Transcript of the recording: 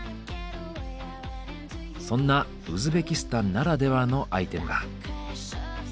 そんなウズベキスタンならではのアイテムが。